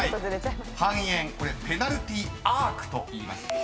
［半円これペナルティアークといいます。